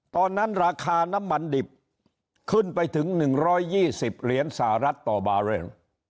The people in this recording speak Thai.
ตอนนั้นราคาน้ำมันดิบขึ้นไปถึง๑๒๐เหรียญสหรัฐต่อบาเรล